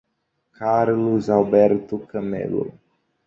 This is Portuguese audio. Carlos Alberto Camelo